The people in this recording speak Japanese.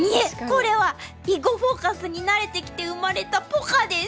これは「囲碁フォーカス」に慣れてきて生まれたポカです。